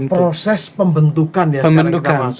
proses pembentukan ya